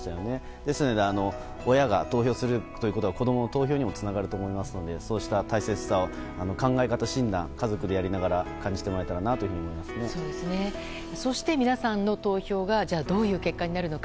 ですので親が投票するということは子供の投票にもつながると思いますので、そうした考え方を考え方診断を家族でやりながらそして皆さんの投票がどういう結果になるのか。